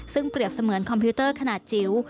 ซึ่งเปรียบเสมือนคอมพิวเตอร์ขนาดจิ๋ว